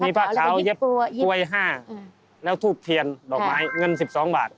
มีปากเผ้ายับป่วย๕แล้วถูบเทียนดอกไม้เงิน๑๒บาท